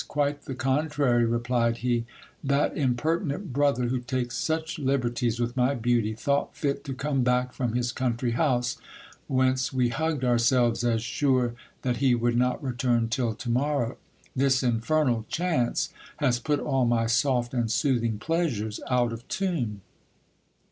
quite the contrary, replied he ; that impertinent brother, who takes such liberties with my beautv, thought fit to come back from his country house, whence we hugged ourselves as sure that he would not return till to morrow. This infernal chance has put all my soft and soothing pleasures out of tune.